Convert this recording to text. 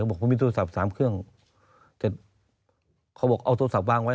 บอกผมมีโทรศัพท์สามเครื่องแต่เขาบอกเอาโทรศัพท์วางไว้